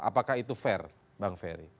apakah itu fair bang ferry